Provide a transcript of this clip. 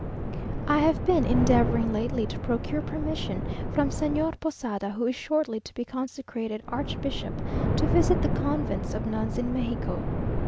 I have been endeavouring lately to procure permission from Señor Posada, who is shortly to be consecrated archbishop, to visit the convents of nuns in Mexico.